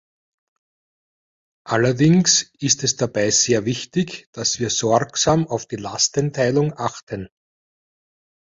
Allerdings ist es dabei sehr wichtig, dass wir sorgsam auf die Lastenteilung achten.